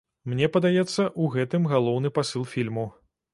Мне падаецца, у гэтым галоўны пасыл фільму.